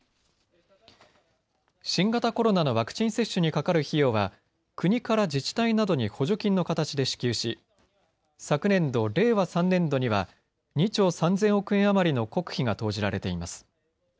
新型コロナのワクチン接種にかかる費用は国から自治体などに補助金の形で支給し昨年度・令和３年度には２兆３０００億円余りの国費が投じられています。